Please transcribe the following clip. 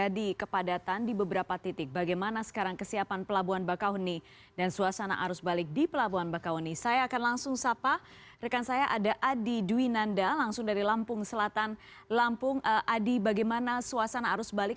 langsung dari lampung selatan lampung adi bagaimana suasana arus balik